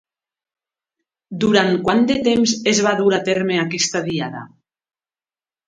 Durant quant de temps es va dur a terme aquesta diada?